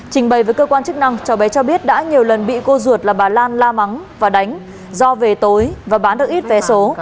trình bày với cơ quan chức năng cháu bé cho biết đã nhiều lần bị cô ruột là bà lan la mắng và đánh do về tối và bán được ít vé số